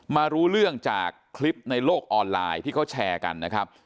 รู้เรื่องจากคลิปในโลกออนไลน์ที่เขาแชร์กันนะครับ